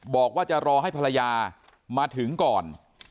บอกว่าจะรอให้ภรรยามาถึงก่อน